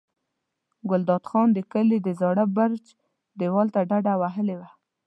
ګلداد خان د کلي د زاړه برج دېوال ته ډډه وهلې وه.